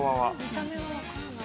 見た目はわからない。